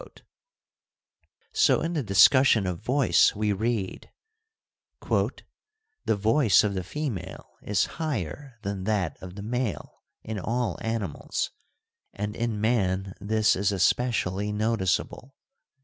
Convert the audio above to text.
ARISTOTLE 217 So in the discussion of voice we read : The voice of the female is higher than that of the male in all animals, and in man this is especially noticeable.